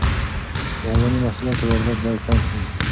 د حیواني محصولاتو واردات باید کم شي.